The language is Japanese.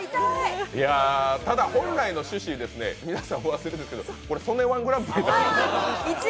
ただ本来の趣旨ですね、皆さんお忘れですけどこれ、「曽根−１グランプリ」です。